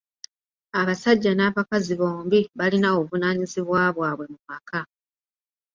Abasajja n'abakazi bombi balina obuvunaanyizibwa bwabwe mu maka.